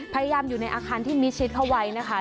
พยายามอยู่ในอาคารที่มิชินขวัยนะคะ